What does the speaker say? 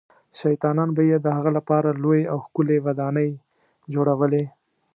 شیطانان به یې د هغه لپاره لویې او ښکلې ودانۍ جوړولې.